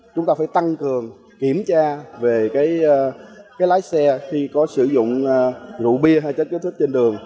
chúng ta phải tăng cường kiểm tra về cái lái xe khi có sử dụng rượu bia hay chất kích thích trên đường